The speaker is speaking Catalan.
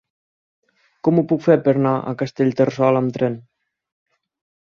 Com ho puc fer per anar a Castellterçol amb tren?